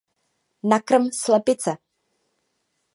Nakrm slepice.